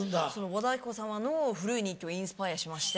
和田アキ子様の「古い日記」をインスパイアしまして。